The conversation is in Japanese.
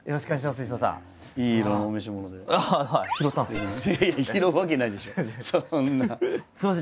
すいません。